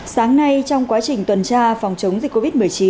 sáng nay trong quá trình tuần tra phòng chống dịch covid một mươi chín